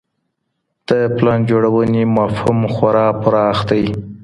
د پلان جوړوني مفهوم خورا پراخ دی.